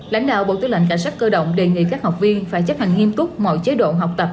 lãnh đạo bộ tư lệnh cảnh sát cơ động đề nghị các học viên phải chấp hành nghiêm túc mọi chế độ học tập